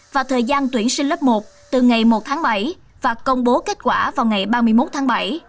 và thời gian tuyển sinh lớp một từ ngày một tháng bảy và công bố kết quả vào ngày ba mươi một tháng bảy